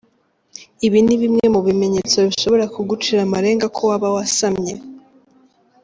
Ibi ni bimwe mu bimenyetso bishobora kugucira amarenga ko waba wasamye:.